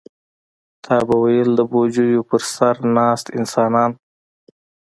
تا به ویل د بوجیو پر سر ناست انسانان.